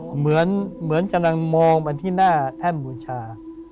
เหมือนกำลังมองไปที่หน้าแท่นบูชา